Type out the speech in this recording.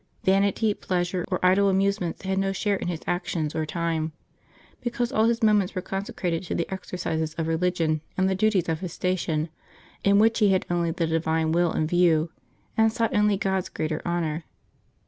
Vanity, pleasure, or idle amusements had no share in his actions or time, because all his moments were consecrated to the exercises of religion and the duties of his station, in which he had only the divine will in view, and sought only God's greater honor.